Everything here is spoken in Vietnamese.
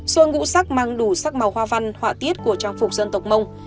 xuông ngũ sắc mang đủ sắc màu hoa văn họa tiết của trang phục dân tộc mông